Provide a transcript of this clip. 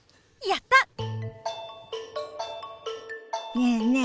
ねえねえ